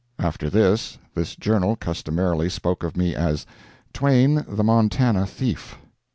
[After this, this journal customarily spoke of me as, "Twain, the Montana Thief."